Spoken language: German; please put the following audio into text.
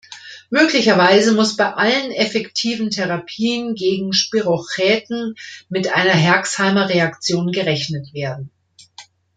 Möglicherweise muss bei allen effektiven Therapien gegen Spirochäten mit einer Herxheimer-Reaktion gerechnet werden.